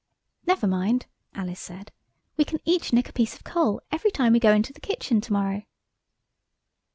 "Never mind," Alice said. "We can each nick a piece of coal every time we go into the kitchen to morrow."